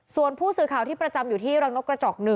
ส่วนผู้สื่อข่าวที่ประจำอยู่ที่รังนกกระจอก๑